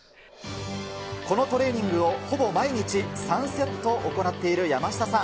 このトレーニングをほぼ毎日、３セット行っている山下さん。